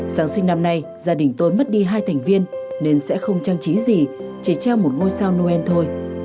giáng sinh năm nay gia đình tôi mất đi hai thành viên nên sẽ không trang trí gì chỉ treo một ngôi sao noel thôi